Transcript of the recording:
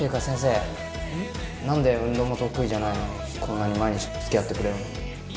先生何で運動も得意じゃないのにこんなに毎日つきあってくれるの？